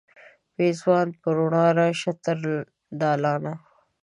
د پیزوان په روڼا راشه تر دالانه